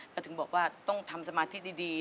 เขาถึงบอกว่าต้องทำสมาธิดี